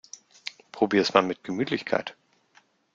Probier's mal mit Gemütlichkeit!